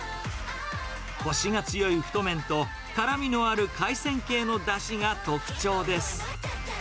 こしが強い太麺と、辛みのある海鮮系のだしが特徴です。